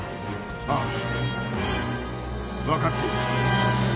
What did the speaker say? ああ分かっている。